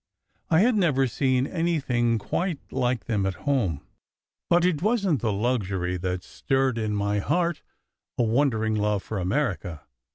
I had never seen anything quite like them at home : but it wasn t the luxury that stirred in my heart a wondering love for America.